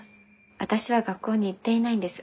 私は学校に行っていないんです。